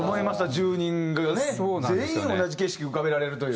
１０人がね全員同じ景色浮かべられるという。